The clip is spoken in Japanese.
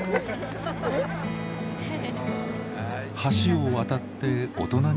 橋を渡って大人になる。